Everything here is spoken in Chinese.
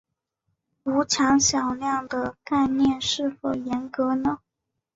无穷小量的概念是否严格呢？